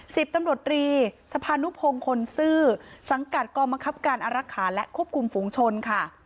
สิบตำรวจรีสะพานุพงฎุสั่งกัดกรรมขับการอรักษาและควบคุมฝงชนค่ะ